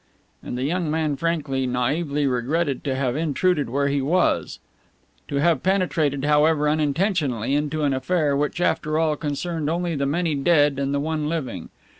and the young man frankly, naively regretted to have intruded where he was; to have penetrated, however unintentionally, into an affair which, after all, concerned only the many dead and the one living.